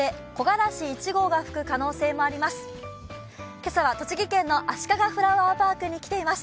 今朝は栃木県のあしかがフラワーパークに来ています。